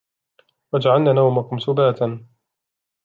وَجَعَلْنَا نَوْمَكُمْ سُبَاتًا